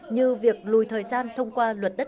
như việc lùi thời gian thông qua luật đất